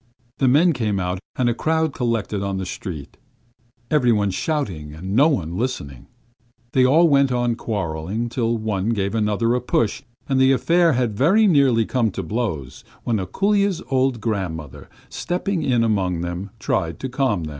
The men came out, and a crowd collected in the street, every one shouting and no one listening. They all went on quarrelling, till one gave another a push, and the affair had very nearly come to blows, when Ako√∫lya's old grandmother, stepping in among them, tried to calm them.